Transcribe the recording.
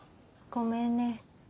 ごめんね。